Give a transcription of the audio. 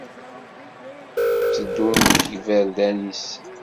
Itteddun deg yiberdan-is!